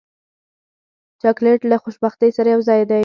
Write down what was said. چاکلېټ له خوشبختۍ سره یوځای دی.